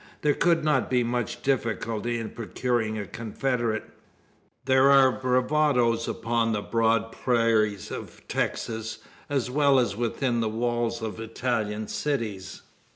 There could not be much difficulty in procuring a confederate. There are bravoes upon the broad prairies of Texas, as well as within the walls of Italian cities.